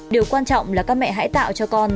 điều quan trọng là các mẹ hãy tạo cho con